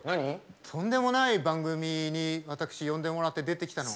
とんでもない番組に私、呼んでもらって出てきたの。